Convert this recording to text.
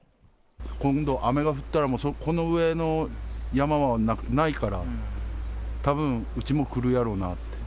今度、雨が降ったら、この上の山はないから、たぶん、うちも来るやろうなって。